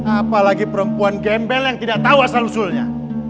apalagi perempuan gembel yang tidak tahu asal usulnya